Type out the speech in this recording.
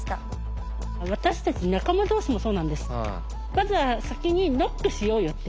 まずは先にノックしようよって。